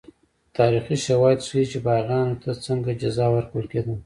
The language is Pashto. تاریخي شواهد ښيي چې باغیانو ته څنګه جزا ورکول کېده.